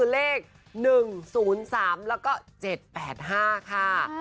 เลข๑๐๓แล้วก็๗๘๕ค่ะ